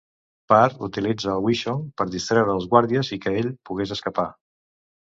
Par utilitza el Wishsong per distreure els guàrdies i que ell pogués escapar.